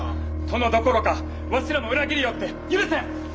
殿どころかわしらも裏切りおって許せん。